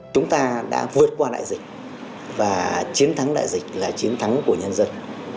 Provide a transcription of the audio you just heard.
chúng ta đã vượt qua đại dịch và chiến thắng đại dịch là chiến thắng của nhân dân